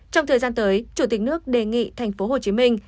trong thời gian tới chủ tịch nước đề nghị thành phố hồ chí minh